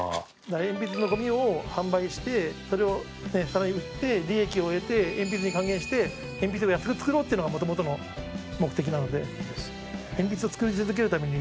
鉛筆のゴミを販売してそれを売って、利益を得てそれを鉛筆に還元して鉛筆を安く作ろうというのが元々の目的なので。